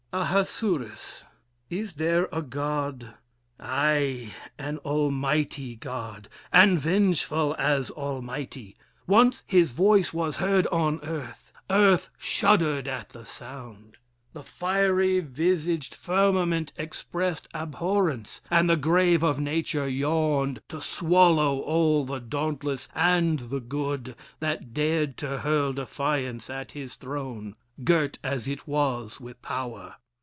"Ahasuerus. Is there a God? ay, an Almighty God, And vengeful as Almighty! Once his voice Was heard on earth: earth shuddered at the sound, The fiery visaged firmament expressed Abhorrence, and the grave of nature yawned To swallow all the dauntless and the good That dared to hurl defiance at his throne, Girt as it was with power.